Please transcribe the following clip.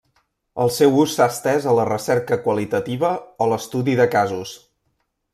El seu ús s'ha estès a la recerca qualitativa o l'estudi de casos.